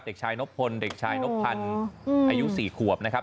เด็กชายนบพลเด็กชายนบพันธุ์อายุ๔ขวบนะครับ